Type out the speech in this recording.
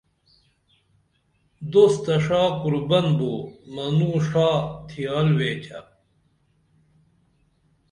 دوست تہ ݜا قُربن بو منوں ݜا تھیال ویچہ